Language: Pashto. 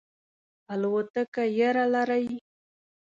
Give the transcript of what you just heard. الوتکه یره لرئ؟